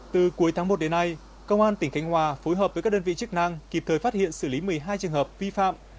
từ cuối tháng một đến nay công an tỉnh khánh hòa phối hợp với các đơn vị chức năng kịp thời phát hiện xử lý một mươi hai trường hợp vi phạm